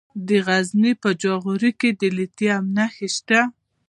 د غزني په جاغوري کې د لیتیم نښې شته.